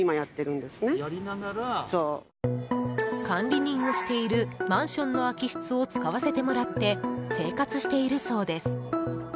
管理人をしているマンションの空き室を使わせてもらって生活しているそうです。